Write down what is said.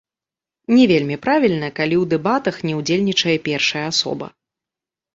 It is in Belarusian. Не вельмі правільна, калі ў дэбатах не ўдзельнічае першая асоба.